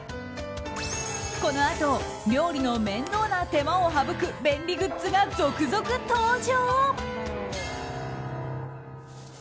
このあと料理の面倒な手間を省く便利グッズが続々登場。